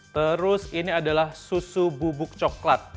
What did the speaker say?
terus ini adalah susu bubuk coklat